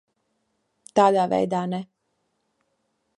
Tādā veidā ne.